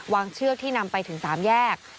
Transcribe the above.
เชือกที่นำไปถึง๓แยก